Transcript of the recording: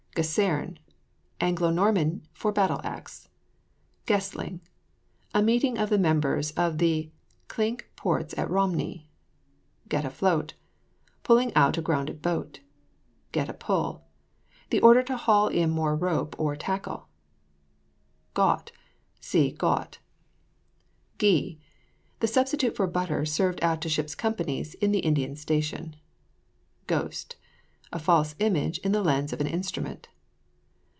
GESERNE. Anglo Norman for battle axe. GESTLING. A meeting of the members of the Cinque Ports at Romney. GET AFLOAT. Pulling out a grounded boat. GET A PULL. The order to haul in more of a rope or tackle. GHAUT. See GAUT. GHEE. The substitute for butter served out to ships' companies on the Indian station. GHOST. A false image in the lens of an instrument.